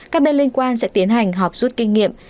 các bên liên quan sẽ tiến hành họp rút kinh nghiệm